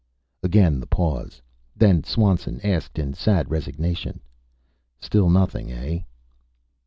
Again the pause. Then Swanson asked in sad resignation, "Still nothing, eh?"